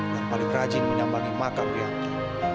rianto paling rajin menampak makam rianto